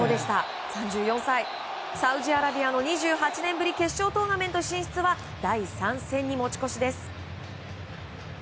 サウジアラビアの２８年ぶり決勝トーナメント進出は第３戦に持ち越しです。